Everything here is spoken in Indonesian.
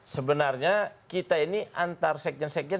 sebenarnya kita ini antar sekjen sekjen